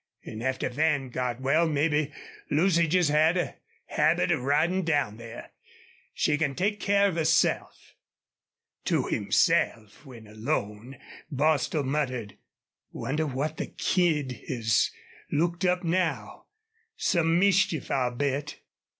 An' after Van got well mebbe Lucy just had a habit of ridin' down there. She can take care of herself." To himself, when alone, Bostil muttered: "Wonder what the kid has looked up now? Some mischief, I'll bet!"